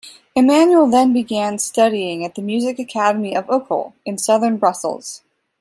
Emmanuel then began studying at the "Music Academy of Uccle" in Southern Brussels.